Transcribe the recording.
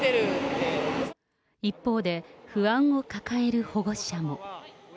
一方で、不安を抱える保護者も。